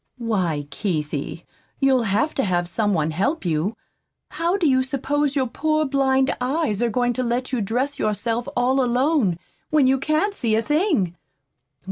"Why, Keithie, you'll HAVE to have some one help you. How do you suppose your poor blind eyes are going to let you dress yourself all alone, when you can't see a thing?